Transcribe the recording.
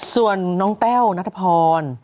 ส่วนน้องแต้วนัทพร